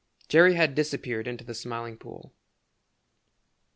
Jerry had disappeared into the Smiling Pool.